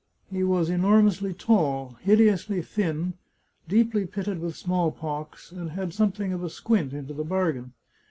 He was enor mously tall, hideously thin, deeply pitted with small pox, and had something of a squint into the bargain.